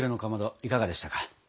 いかがでしたか？